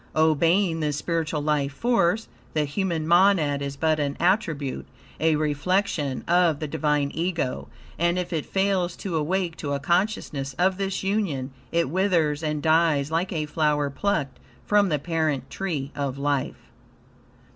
Obeying this spiritual life force, the human monad is but an attribute, a reflection, of the Divine Ego, and if it fails to awake to a consciousness of this union, it withers and dies like a flower plucked from the parent tree of life.